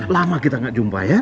lama kita gak jumpa ya